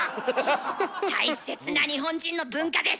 大切な日本人の文化です。